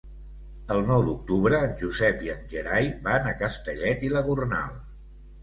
El nou d'octubre en Josep i en Gerai van a Castellet i la Gornal.